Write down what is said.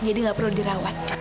jadi gak perlu dirawat